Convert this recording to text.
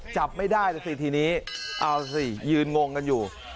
จับไม่ได้แล้วสิทีนี้เอาสิยืนงงกันอยู่